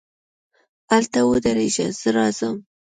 هلته ودرېږه، زه راځم.